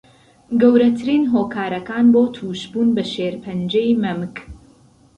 گهورهترین هۆکارەکان بۆ تووشبون به شیرپهنجهی مهمک